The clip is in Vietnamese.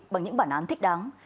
bằng những bản án thích đáng